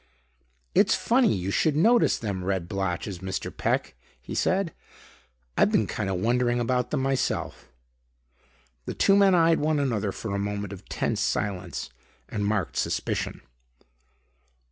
"It's funny you should notice them red blotches, Mr. Peck," he said. "I been kind of wondering about them myself." The two men eyed one another for a moment of tense silence, and marked suspicion.